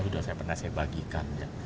sudah saya pernah saya bagikan ya